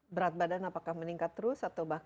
berat badan apakah meningkat terus